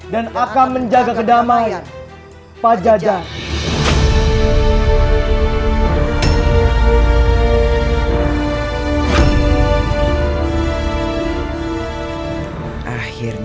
dan akan menjaga kedamaian pajajaran